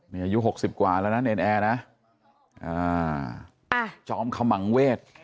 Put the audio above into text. นี่อายุหกสิบกว่าแล้วนะเนรนแอร์นะจอมขมังเวศ